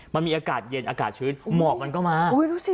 มันมีอากาศเย็นอากาศชื้นหมอกมันก็มาดูสิ